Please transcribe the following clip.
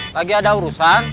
lagi ada urusan